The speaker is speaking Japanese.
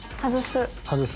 外す。